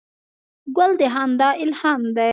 ګل د خندا الهام دی.